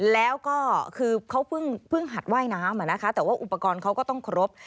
แล้วก็คือเขาเพิ่งหัดว่ายน้ำแต่ว่าอุปกรณ์เขาก็ต้องครบ